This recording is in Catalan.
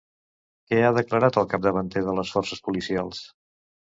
Què ha declarat el capdavanter de les forces policials?